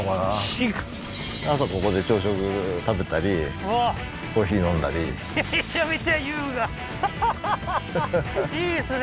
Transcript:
２５朝ここで朝食食べたりコーヒー飲んだりめちゃめちゃ優雅ははははっいいですね